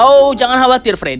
oh jangan khawatir freddy